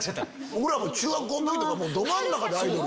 僕ら中学校の時とかど真ん中でアイドル。